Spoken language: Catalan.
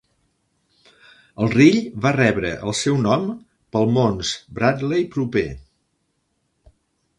El rill va rebre seu el nom pel Mons Bradley proper.